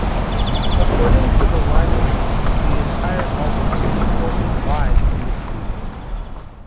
According to the liner notes, the entire album was recorded live in the studio.